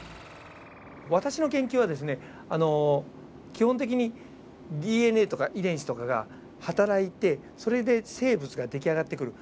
基本的にＤＮＡとか遺伝子とかが働いてそれで生物が出来上がってくる。